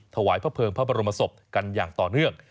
ถวายพระเภิงพระบรมศพกันอย่างต่อเนื่อง